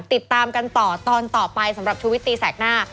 ติดตามกันต่อตอนต่อไปสำหรับชุวิตตีแสกหน้า